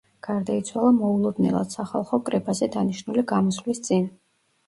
გარდაიცვალა მოულოდნელად სახალხო კრებაზე დანიშნული გამოსვლის წინ.